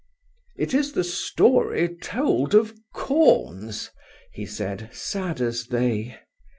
"It is the story told of corns!" he said, sad as they.